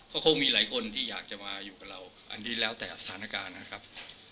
ก็คงมีหลายคนที่อยากจะมาอยู่กับเราอันนี้แล้วแต่สถานการณ์นะครับ